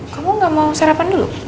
kamu gak mau sarapan dulu